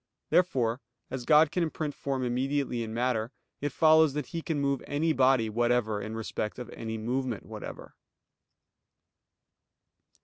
Therefore, as God can imprint form immediately in matter, it follows that He can move any body whatever in respect of any movement whatever.